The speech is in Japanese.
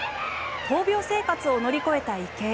闘病生活を乗り越えた池江。